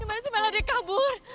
gimana sih malah dia kabur